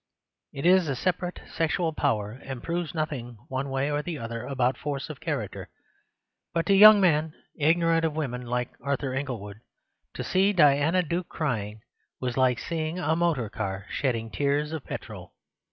It is a separate sexual power, and proves nothing one way or the other about force of character. But to young men ignorant of women, like Arthur Inglewood, to see Diana Duke crying was like seeing a motor car shedding tears of petrol.